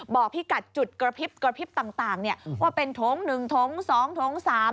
บอกที่กัดจุดกราฟิกต่างเนี่ยว่าเป็นท้องหนึ่งท้องสองท้องสาม